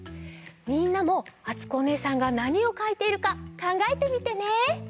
みんなもあつこおねえさんがなにをかいているかかんがえてみてね！